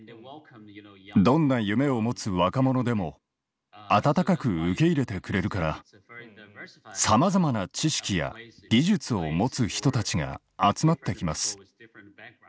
どんな夢を持つ若者でも温かく受け入れてくれるからさまざまな知識や技術を持つ人たちが集まってきます。